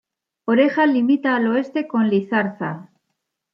Oreja limita al oeste con Lizarza.